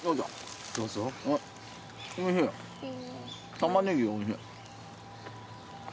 たまねぎおいしい。